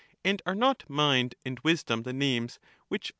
And are not mind and wisdom the names which are ^?